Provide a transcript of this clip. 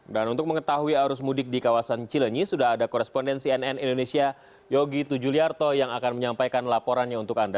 untuk mengetahui arus mudik di kawasan cilenyi sudah ada korespondensi nn indonesia yogi tujuliarto yang akan menyampaikan laporannya untuk anda